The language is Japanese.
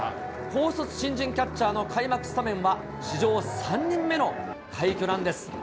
高卒新人キャッチャーの開幕スタメンは史上３人目の快挙なんです。